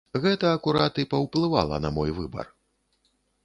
Гэта акурат і паўплывала на мой выбар.